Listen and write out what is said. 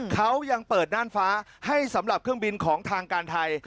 เขายังเปิดน่านฟ้าให้สำหรับเครื่องบินของทางการไทย